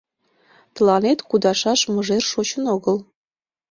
Тыланет кудашаш мыжер шочын огыл.